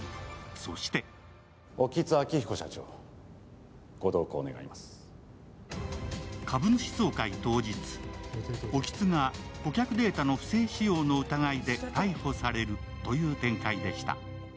そして株主総会当日、興津が顧客データの不正使用の疑いで逮捕されるという展開でした。